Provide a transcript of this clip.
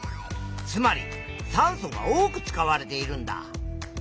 つまり酸素が多く使われているんだ！